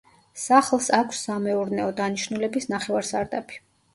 სახლს აქვს სამეურნეო დანიშნულების ნახევარსარდაფი.